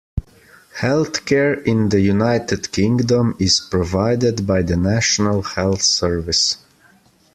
Healthcare in the United Kingdom is provided by the National Health Service